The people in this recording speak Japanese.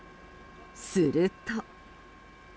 すると。